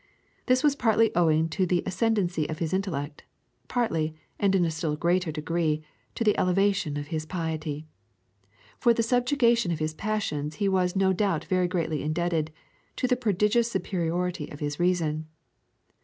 This was partly owing to the ascendency of his intellect; partly, and in a still greater degree, to the elevation of his piety. For the subjugation of his passions he was no doubt very greatly indebted to the prodigious superiority of his reason.